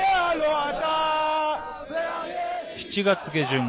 ７月下旬